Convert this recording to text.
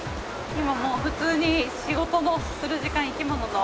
今もう普通に仕事をする時間生き物の。